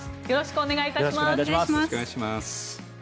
よろしくお願いします。